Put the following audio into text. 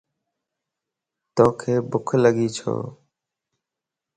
توک ڀک لڳي ڇو؟